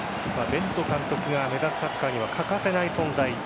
ベント監督が目指すサッカーには欠かせない存在。